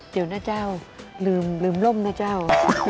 เดี๋ยวนะเจ้าลืมร่มนะเจ้า